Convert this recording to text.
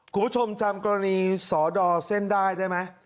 คุณผู้ชมจำกรณีสอดอเส้นได้ได้ไหม